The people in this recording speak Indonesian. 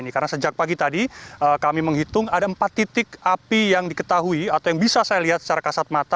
karena sejak pagi tadi kami menghitung ada empat titik api yang diketahui atau yang bisa saya lihat secara kasat mata